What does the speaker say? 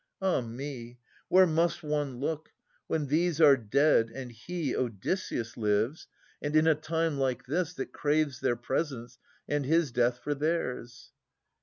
Ah me ! Where must one look ? when these are dead, and he, Odysseus, lives, — and in a time like this. That craves their presence, and his death for theirs.